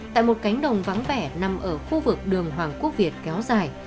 tại một cánh đồng vắng vẻ nằm ở khu vực đường hoàng quốc việt kéo dài